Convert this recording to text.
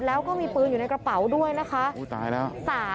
แล้วก็มีปืนอยู่ในกระเป๋าด้วยนะคะ